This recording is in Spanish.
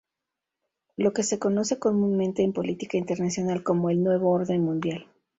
Lo que se conoce comúnmente en Política Internacional como el "Nuevo Orden Mundial".